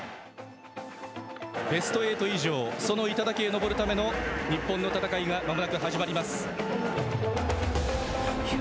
ベストエイト以上、その頂へ上るための日本の戦いがまもなく始まります。